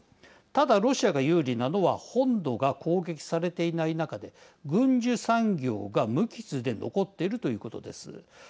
ただ、ロシアが有利なのは本土が攻撃されていない中で軍需産業が無傷で残っているということです。